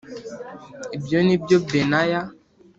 Ibyo ni byo benaya